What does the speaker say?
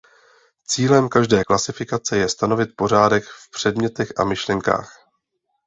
Cílem každé klasifikace je stanovit pořádek v předmětech a myšlenkách.